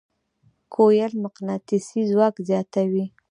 کویل مقناطیسي ځواک زیاتوي.